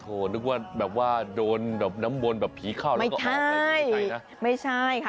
โอ๊ยนึกว่าแบบว่าโดนน้ำมนต์แบบผีเข้าไม่ใช่ไม่ใช่ค่ะ